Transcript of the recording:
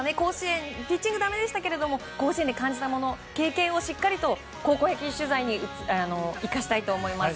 ピッチングはダメでしたけど甲子園で感じたもの、経験をしっかりと高校野球取材に生かしたいと思います。